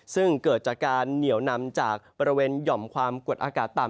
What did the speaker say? ซึ่งเกิดจากการเหนียวนำจากบริเวณหย่อมความกดอากาศต่ำ